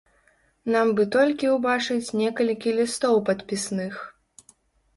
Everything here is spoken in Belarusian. Нам бы толькі ўбачыць некалькі лістоў падпісных.